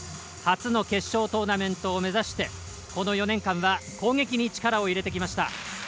初の決勝トーナメントを目指してこの４年間は攻撃に力を入れてきました。